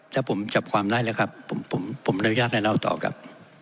ถ้าผมจับความได้แล้วครับผมอนุญาตให้เล่าต่อครับ